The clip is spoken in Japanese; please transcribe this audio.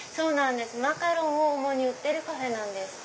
マカロンを主に売ってるカフェなんです。